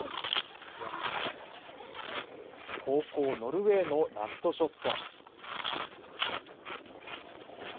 後攻、ノルウェーのラストショット。